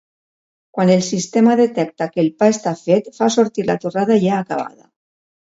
Quan el sistema detecta que el pa està fet, fa sortir la torrada ja acabada.